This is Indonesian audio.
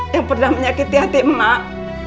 yang pernah menyakiti hati emak